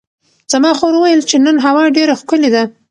زما خور وویل چې نن هوا ډېره ښکلې ده.